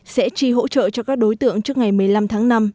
sẽ chi hỗ trợ cho các đối tượng trước ngày một mươi năm tháng năm